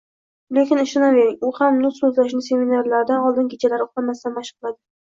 Lekin ishonavering, u ham nutq so’zlashni seminarlardan oldin kechalari uxlamasdan mashq qiladi